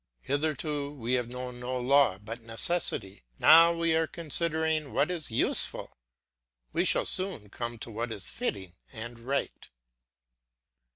Hitherto we have known no law but necessity, now we are considering what is useful; we shall soon come to what is fitting and right.